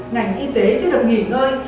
ngành y tế chưa được nghỉ ngơi